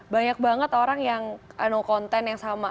banyak banget orang yang konten yang sama